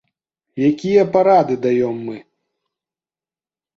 Якія парады даём мы?